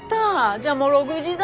じゃあもう６時だ。